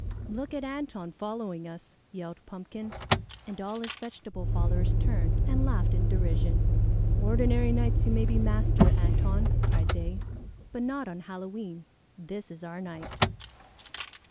"Look at Antone following us," yelled Pumpkin, and all his vegetable followers turned and laughed in derision. "Ordinary nights you may be master, Antone," cried they, "but not on Halloween. This is our night."